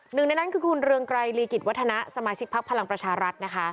หนึ่งในนั้นคือคุณเรืองไกรลีกิจวัฒนะสมาชิกพักพลังประชารัฐนะคะ